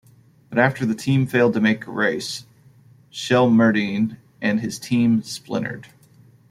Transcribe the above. But after the team failed to make a race, Shelmerdine and his team splintered.